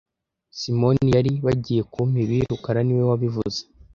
Simoni yari bagiyekumpa ibi rukara niwe wabivuze